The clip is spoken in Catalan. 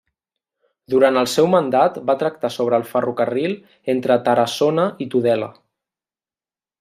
Durant el seu mandat va tractar sobre el ferrocarril entre Tarassona i Tudela.